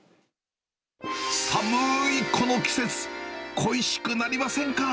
寒ーいこの季節、恋しくなりませんか？